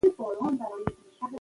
شبکه به لا ښه شي.